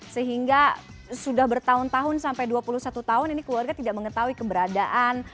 sehingga sudah bertahun tahun sampai dua puluh satu tahun ini keluarga tidak mengetahui keberadaan